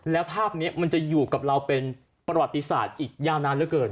แล้วภาพนี้มันจะอยู่กับเราเป็นประวัติศาสตร์อีกยาวนานเหลือเกิน